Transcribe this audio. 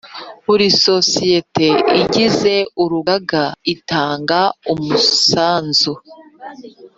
Buri sosiyete igize urugaga itanga umusanzu